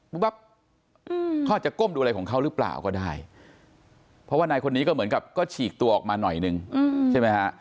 ปั๊บเขาอาจจะก้มดูอะไรของเขาหรือเปล่าก็ได้เพราะว่านายคนนี้ก็เหมือนกับก็ฉีกตัวออกมาหน่อยนึงใช่ไหมฮะ